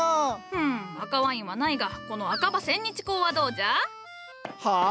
フン赤ワインは無いがこの赤葉千日紅はどうじゃ？はあ？